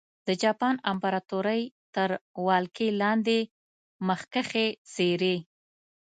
د جاپان امپراتورۍ تر ولکې لاندې مخکښې څېرې.